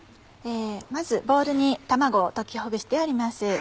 まずボウルに卵を溶きほぐしてあります。